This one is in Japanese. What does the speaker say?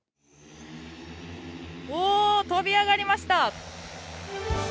飛び上がりました！